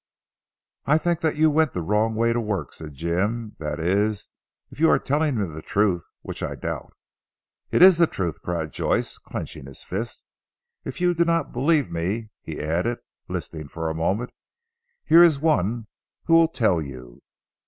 "I think that you went the wrong way to work," said Jim, "that is if you are telling me the truth, which I doubt." "It is the truth," cried Joyce clenching his fist, "if you do not believe me," he added listening for a moment, "here is one who will tell you."